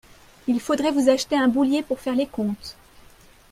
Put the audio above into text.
Il faudrait vous acheter un boulier pour faire les comptes